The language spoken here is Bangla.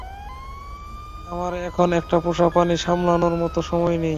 আমার এখন একটা পোষাপ্রাণী সামলানোর মতো সময় নেই!